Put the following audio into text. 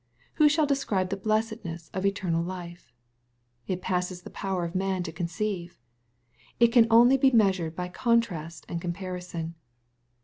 \ Who shall describe the blessedness of eternal life ? It passes the power of man to conceive. It can only be measured by contrast and comparison.